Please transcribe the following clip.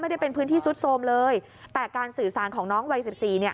ไม่ได้เป็นพื้นที่ซุดโทรมเลยแต่การสื่อสารของน้องวัยสิบสี่เนี่ย